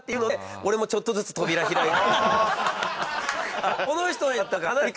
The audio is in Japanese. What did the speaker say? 俺もちょっとずつ扉開いて。